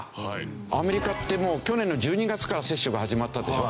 アメリカってもう去年の１２月から接種が始まったでしょ？